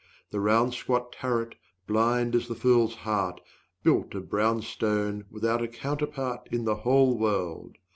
The round squat turret, blind as the fool's heart, Built of brown stone, without a counterpart In the whole world.